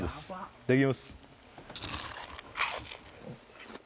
いただきます